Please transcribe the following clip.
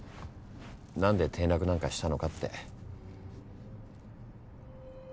何で転落なんかしたのかって。